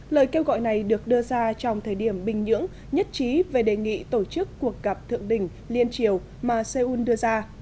lời kêu gọi này được đưa ra trong thời điểm bình nhưỡng nhất trí về đề nghị tổ chức cuộc gặp thượng đỉnh liên triều mà seoul đưa ra